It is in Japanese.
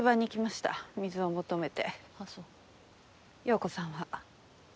葉子さんは？